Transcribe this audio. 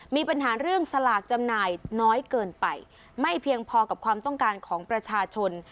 มีปัญหาเรื่องสลากจำหน่ายน้อยเกินไปไม่เพียงพอกับความต้องการของประชาชน